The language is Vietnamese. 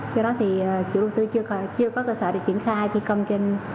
do đó thì chủ đầu tư chưa có cơ sở để triển khai thi công trên